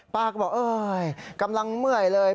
ป้าก็บอกเอ้ยกำลังเมื่อยเลย